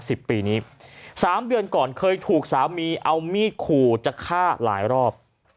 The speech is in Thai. สิบปีนี้สามเดือนก่อนเคยถูกสามีเอามีดขู่จะฆ่าหลายรอบ